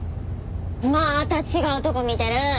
まーた違うとこ見てる！